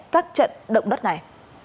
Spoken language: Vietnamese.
các trận động đất này